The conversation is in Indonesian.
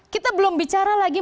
kita belum bicara lagi